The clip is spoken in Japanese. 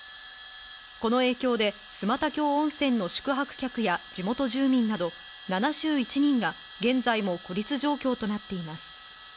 この影響で、寸又峡温泉の宿泊客や地元住民など７１人が現在も孤立状況となっています。